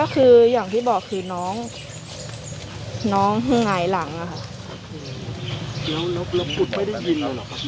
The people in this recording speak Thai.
คืออย่างที่บอกคือน้องน้องหงายหลังอะค่ะแล้วแล้วคุณไม่ได้ยินเราเหรอครับ